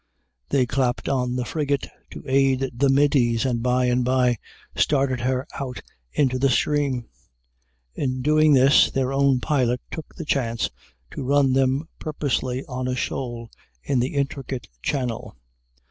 _ They clapped on the frigate to aid the middies, and by and by started her out into the stream. In doing this their own pilot took the chance to run them purposely on a shoal in the intricate channel.